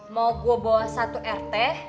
mau gue bawa satu rt